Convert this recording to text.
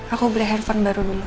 aku beli handphone baru dulu